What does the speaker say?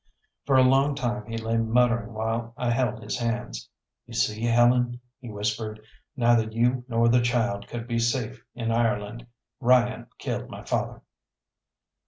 For a long time he lay muttering while I held his hands. "You see, Helen," he whispered, "neither you nor the child could be safe in Ireland. Ryan killed my father."